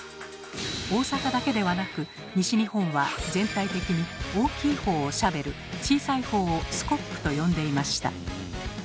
大阪だけではなく西日本は全体的に大きい方をシャベル小さい方をスコップと呼んでいました。